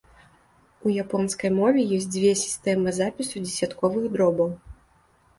У японскай мове ёсць дзве сістэмы запісу дзесятковых дробаў.